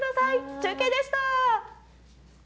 中継でした。